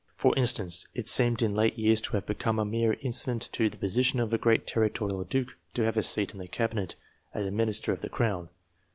For instance, it seemed in late years to have become a mere incident to the position of a great territorial duke to have a seat in the Cabinet, as a minister of the Crown.